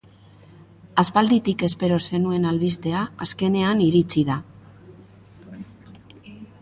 Aspalditik espero zenuen albistea azkenean iritsi da.